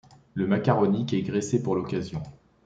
Le macaronique est graissé pour l’occasion.